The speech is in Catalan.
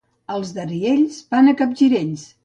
Els de Riells van a capgirells.